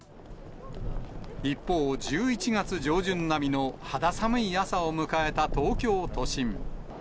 一方、１１月上旬並みの肌寒い朝を迎えた東京都心。